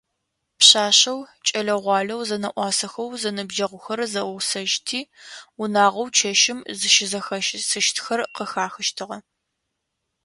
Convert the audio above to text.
Пшъашъэу, кӏэлэ-гъуалэу зэнэӏуасэхэу зэныбджэгъухэр зэусэжьхэти, унагъоу чэщым зыщызэхэсыщтхэр къыхахыщтыгъэ.